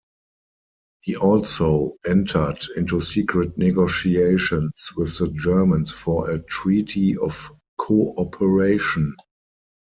He also entered into secret negotiations with the Germans for a treaty of cooperation.